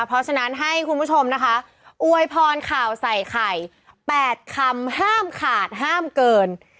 เพราะฉะนั้นให้คุณผู้ชมนะคะอวยพรข่าวใส่ไข่๘คำห้ามขาดห้ามเกิน